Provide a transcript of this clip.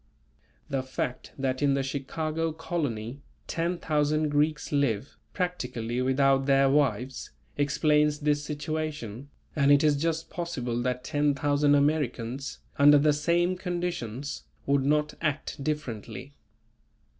The fact that in the Chicago colony, 10,000 Greeks live, practically without their wives, explains this situation, and it is just possible that 10,000 Americans under the same conditions would not act differently.